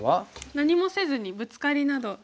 何もせずにブツカリなど。